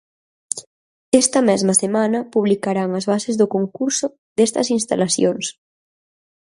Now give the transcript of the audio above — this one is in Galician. Esta mesma semana publicarán as bases do concurso destas instalacións.